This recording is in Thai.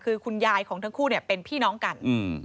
คือคุณยายของทั้งคู่เนี่ยเป็นพี่น้องกัน